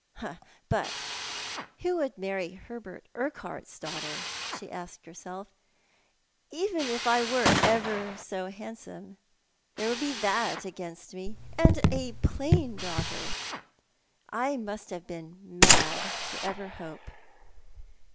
"But who would marry Hubert Urquhart's daughter?" she asked herself. "Even if I were ever so handsome there would be that against me. And a plain daughter I I must have been mad ever to hope."